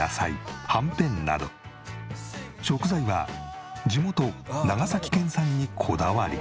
食材は地元長崎県産にこだわり。